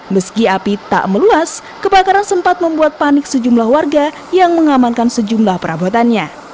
meski api tak meluas kebakaran sempat membuat panik sejumlah warga yang mengamankan sejumlah perabotannya